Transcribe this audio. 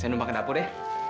saya nunggu makan dapur ya